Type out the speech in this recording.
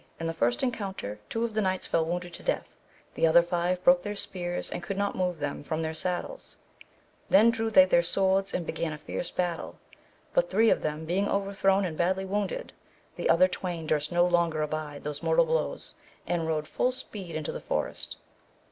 In the first encounter two of the knights fell wounded to death, the other five broke their spears and could not move them from their saddles, then drew they their swords and began a fierce battle, but three of them being overthrown and badly wounded, the other twain durst no longer abide those mortal blows, and rode full speed into the forest.